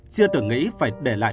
chưa từng nghĩ phải để lại